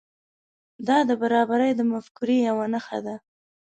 دا د برابري د مفکورې یو نښه ده.